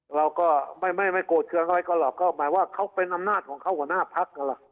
เราก็ไม่โกรธเครื่องอะไรก็หรอกก็หมายว่าเขาเป็นอำนาจของเขาหัวหน้าพักนั่นแหละ